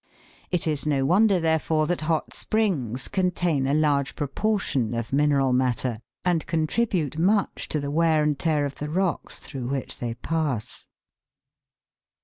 It is no wonder, therefore, that hot springs contain a large proportion of mineral matter, and contribute much to the wear and tear of the rocks through which they pass.